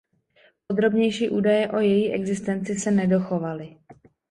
Podrobnější údaje o její existenci se nedochovaly.